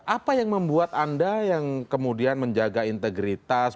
apa yang membuat anda yang kemudian menjaga integritas